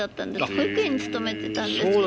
保育園に勤めてたんですけど。